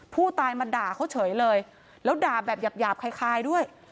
ผู้ตายมาด่าเขาเฉยเลยแล้วด่าแบบหยาบคล้ายด้วย